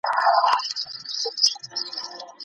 د پسرلي وريځو به